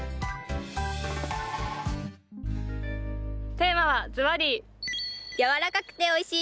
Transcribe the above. テーマはずばり！